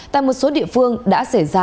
tại một số địa phương đã xảy ra